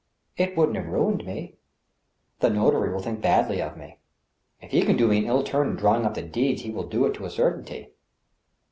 It wouldn't have ruined me. ... The notary will think badly of me. If he can do me an ill turn in drawing up the deeds, he will do it to a certainty.